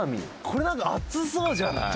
「これなんか熱そうじゃない？」